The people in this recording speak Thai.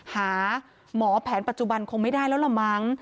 หาหมอแผนปัจจุบันคงไม่ได้แล้วล่ะมั้ง